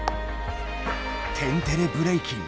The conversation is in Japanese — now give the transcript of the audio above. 「天てれブレイキン」